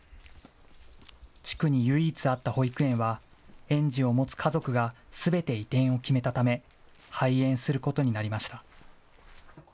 地区に唯一あった保育園は、園児を持つ家族がすべて移転を決めたため、廃園することになりました。